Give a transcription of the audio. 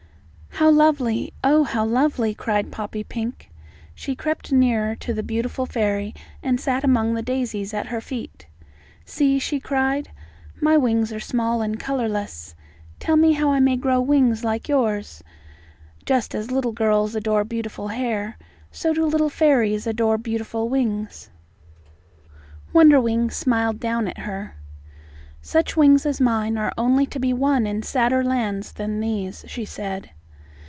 "How lovely! Oh, how lovely!" cried Poppypink. She crept nearer to the beautiful fairy and sat among the daisies at her feet. "See," she cried. "My wings are small and colourless. Tell me how I may grow wings like yours." Just as little girls adore beautiful hair, so do little fairies adore beautiful wings. Wonderwings smiled down at her. "Such wings as mine are only to be won in sadder lands than these," she said.